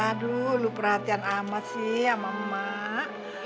aduh lo perhatian amat sih ama mak